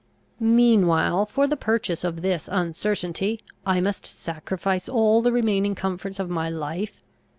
Meanwhile, for the purchase of this uncertainty, I must sacrifice all the remaining comforts of my life.